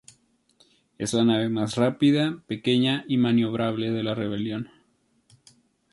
Es la nave más rápida, pequeña y maniobrable de la Rebelión.